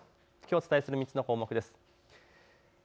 お伝えする３つの項目です。